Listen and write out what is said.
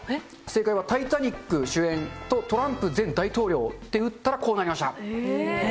正解はタイタニック主演とトランプ前大統領って打ったら、こうなりました。